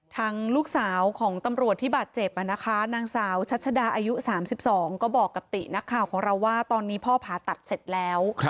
ทางลูกสาวของตำรวจที่บาดเจ็บนะคะนางสาวชัชดาอายุ๓๒ก็บอกกับตินักข่าวของเราว่าตอนนี้พ่อผ่าตัดเสร็จแล้ว